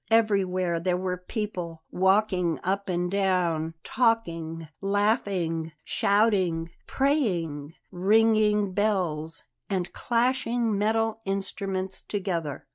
Everywhere there were people, walking up and down; talking, laughing, shouting; praying, ringing bells, and clashing metal instruments together.